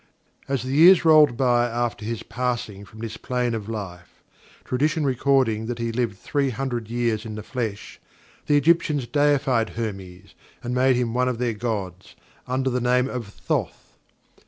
As the years rolled by after his passing from this plane of life (tradition recording that he lived three hundred years in the flesh), the Egyptians deified Hermes, and made him one of their gods, under the name of Thoth.